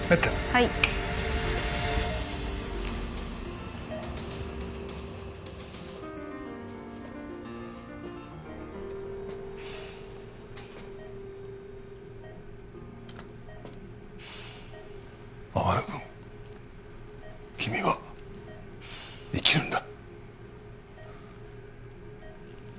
はい天野くん君は生きるんだ